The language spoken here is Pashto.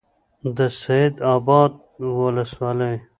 د سید آباد ولسوالۍ